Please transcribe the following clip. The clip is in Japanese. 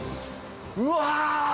うわ！